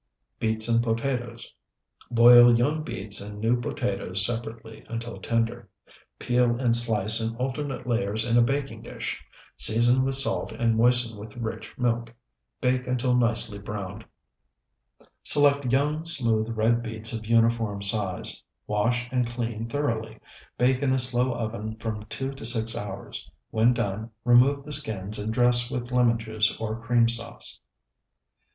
BEETS AND POTATOES Boil young beets and new potatoes separately until tender; peel and slice in alternate layers in a baking dish; season with salt and moisten with rich milk. Bake until nicely browned. BAKED BEETS Select young, smooth, red beets of uniform size; wash and clean thoroughly; bake in a slow oven from two to six hours; when done, remove the skins and dress with lemon juice or cream sauce.